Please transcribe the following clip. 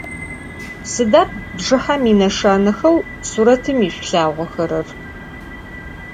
Sıda bjjıhem yineşşanexeu suretım yişsulhağoxerer?